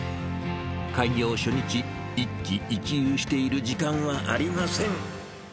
開業初日、一喜一憂している時間はありません。